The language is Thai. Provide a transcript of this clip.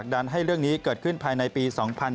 ดันให้เรื่องนี้เกิดขึ้นภายในปี๒๕๕๙